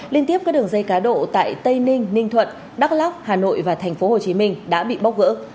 liên tiếp các đường dây cá độ tại tây ninh ninh thuận đắk lóc hà nội và tp hcm đã bị bóc gỡ